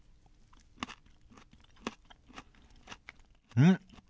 うん！